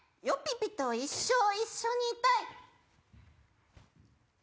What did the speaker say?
ぴぴと一生一緒にいたい」。